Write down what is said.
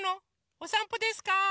おさんぽですか？